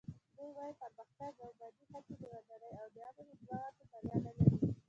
دوی وايي پرمختګ او مادي هڅې د ودانۍ او عامه خدماتو بریا نه لري.